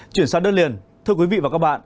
chuyển sang đất liền thưa quý vị và các bạn